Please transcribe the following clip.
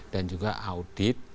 dan juga audit